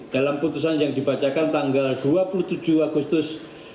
dalam putusan yang dibacakan tanggal dua puluh tujuh agustus dua ribu delapan belas